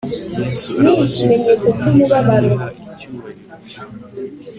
Yesu arabasubiza ati Niba niha icyubahiro icyo